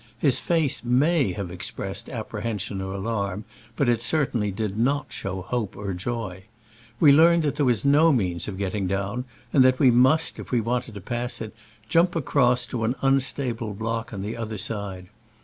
His face may have expressed apprehension or alarm, but it certainly did not show hope or joy. We learned that there was no means of get ting down, and that we must, if we want ed to pass it, jump across on to an un stable block on the other side.